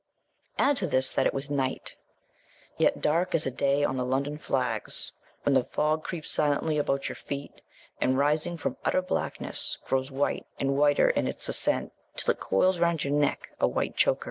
Add to this, that it was night, yet dark as a day on the London flags when the fog creeps silently about your feet and, rising from utter blackness, grows white and whiter in its ascent, till it coils round your neck, a white choker!